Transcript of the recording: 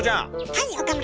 はい岡村！